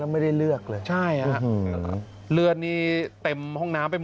สวยสวยสวยสวยสวยสวยสวยสวยสวย